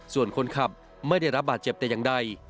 ส่วนคนขับไม่ได้รับบาดเจ็บแต่อย่างใด